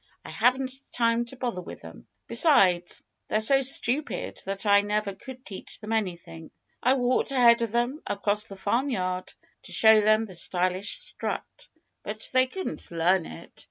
I haven't time to bother with them. Besides, they're so stupid that I never could teach them anything. I walked ahead of them, across the farmyard, to show them the stylish strut. But they couldn't learn it.